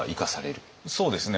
そうですね。